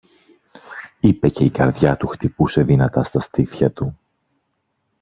είπε και η καρδιά του χτυπούσε δυνατά στα στήθια του.